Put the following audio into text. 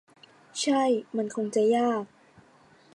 ใช่ มันคงจะยาก